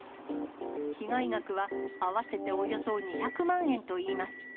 被害額は合わせておよそ２００万円といいます。